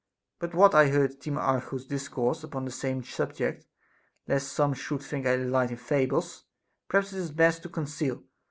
But what I heard Timarchus dis course upon the same subject, lest some should think I delight in fables, perhaps it is best to conceal.